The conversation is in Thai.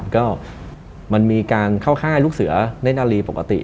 ก็มันมีการเข้าค่ายลูกเสือเล่นอารีปกติ